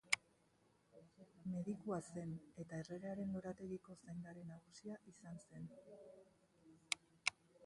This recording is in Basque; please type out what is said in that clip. Medikua zen, eta erregearen lorategiko zaindari nagusia izan zen.